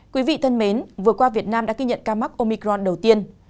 quý vị thân mến vừa qua việt nam đã ghi nhận ca mắc omicron đầu tiên